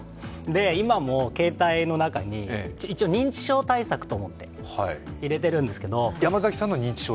今も携帯の中に、認知症対策と思って入れているんですけど。